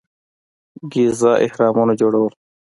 ګیزا اهرامونه جوړول.